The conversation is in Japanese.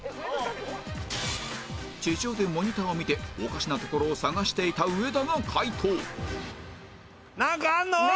地上でモニターを見ておかしなをところ探していた上田が解答！なんかあるの？